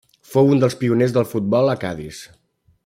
Fou un dels pioners del futbol a Cadis.